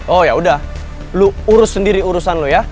oh ya udah lo urus sendiri urusan lo ya